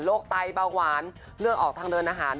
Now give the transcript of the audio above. โรคไตเปล่าหวานเลือกออกทางเดินอาหาร